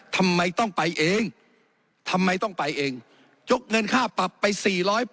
ทำไมต้องไปเองทำไมต้องไปเองยกเงินค่าปรับไป๔๐๐